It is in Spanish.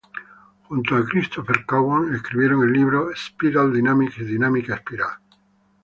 Junto a Christopher Cowan, escribieron el libro "Spiral Dynamics Dinámica espiral".